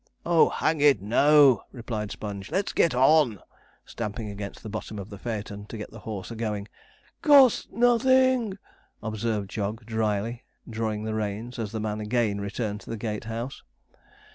'Oh! hang it, no,' replied Sponge; 'let's get on!' stamping against the bottom of the phaeton to set the horse a going. 'Costs nothin',' observed Jog drily, drawing the reins, as the man again returned to the gate house.